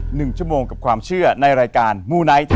หนึ่งชั่วโมงกับความเชื่อในรายการมูไนท์